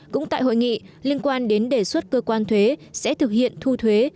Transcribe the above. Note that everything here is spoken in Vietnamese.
cũng tại hội nghị liên quan đến đề xuất cơ quan thuế sẽ thực hiện thu thuế